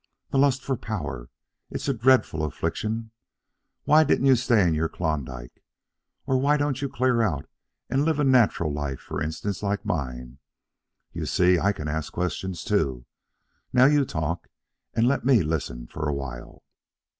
The lust for power! It's a dreadful affliction. Why didn't you stay in your Klondike? Or why don't you clear out and live a natural life, for instance, like mine? You see, I can ask questions, too. Now you talk and let me listen for a while."